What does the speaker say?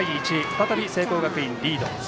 １再び聖光学院リード。